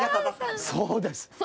そうです！